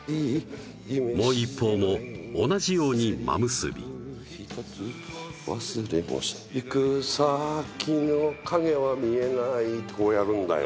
もう一方も同じように真結びひとつ忘れもしない行く先の影は見えないってこうやるんだよ